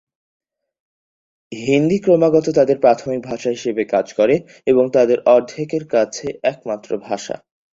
হিন্দি ক্রমাগত তাদের প্রাথমিক ভাষা হিসাবে কাজ করে, এবং তাদের অর্ধেকের কাছে একমাত্র ভাষা।